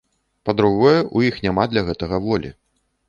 Па-другое, у іх няма для гэтага волі.